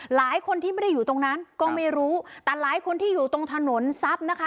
หลายคนที่ไม่ได้อยู่ตรงนั้นก็ไม่รู้แต่หลายคนที่อยู่ตรงถนนทรัพย์นะคะ